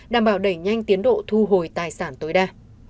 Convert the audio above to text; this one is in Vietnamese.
đảm bảo đẩy nhanh tiến độ thu hồi tài sản tối đa